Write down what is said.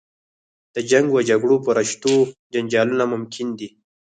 د جنګ و جګړو په رشتو جنجالونه ممکن دي.